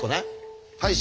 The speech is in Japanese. はい。